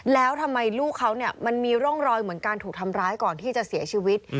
แล้วทำไมลูกเขาเนี่ยมันมีร่องรอยเหมือนการถูกทำร้ายก่อนที่จะเสียชีวิต